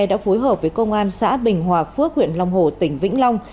đã phối hợp với công an xã bình hòa phước huyện long hồ tỉnh vĩnh long